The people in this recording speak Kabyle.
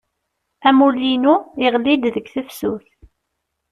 Amulli-inu iɣelli-d deg tefsut.